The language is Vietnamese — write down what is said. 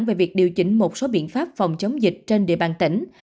về việc điều chỉnh một số biện pháp phòng chống dịch trên địa bàn tỉnh